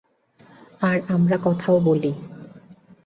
আর আমরা কথাও বলি।